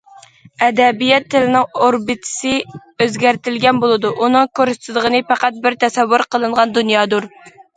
ئەدەبىيات تىلىنىڭ ئوربىتىسى ئۆزگەرتىلگەن بولىدۇ، ئۇنىڭ كۆرسىتىدىغىنى پەقەت بىر تەسەۋۋۇر قىلىنغان دۇنيادۇر.